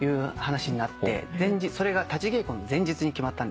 それが立ち稽古の前日に決まったんです。